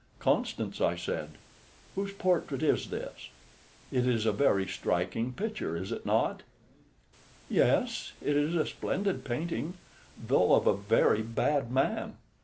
"Constance," I said, "whose portrait is this? It is a very striking picture, is it not?" "Yes, it is a splendid painting, though of a very bad man.